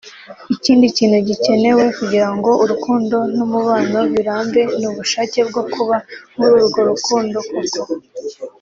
Ikindi kintu gikenewe kugira ngo urukundo n’umubano birambe ni ubushake bwo kuba muri urwo rukundo koko